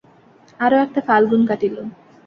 আরো একটা ফাল্গুন কাটিল।